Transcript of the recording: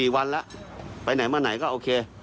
๔วันแล้วไปไหนมาไหนก็โอเค